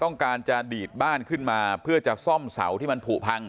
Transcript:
ต้องการจะดีดบ้านขึ้นมาเพื่อจะซ่อมเสาที่มันผูพัง